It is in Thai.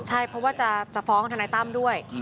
ใช่เพราะว่าจะฟ้องทนายตั้มด้วย